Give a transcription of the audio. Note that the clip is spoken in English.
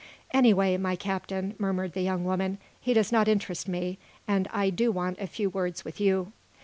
"Anyway, my Captain," murmured the young woman, "he does not interest me, and I do want a few words with you."